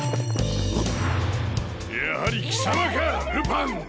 やはり貴様かルパン！